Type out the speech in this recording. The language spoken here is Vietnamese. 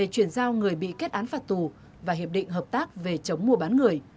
tuyển giao người bị kết án phạt tù và hiệp định hợp tác về chống mùa bán người